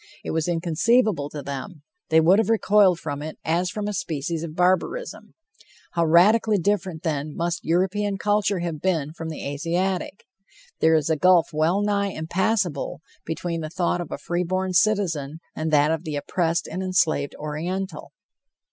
It was inconceivable to them; they would have recoiled from it as from a species of barbarism. How radically different, then, must European culture have been from the Asiatic. There is a gulf well nigh impassible between the thought of a free born citizen and that of the oppressed and enslaved Oriental.